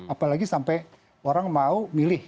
apalagi sampai orang mau milih